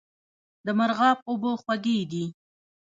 د مرغاب اوبه خوږې دي